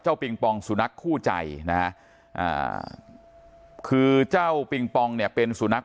ปิงปองสุนัขคู่ใจนะฮะคือเจ้าปิงปองเนี่ยเป็นสุนัข